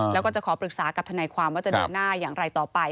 แล้วก็จะขอปรึกษากับทนายความว่าจะเดินหน้าอย่างไรต่อไป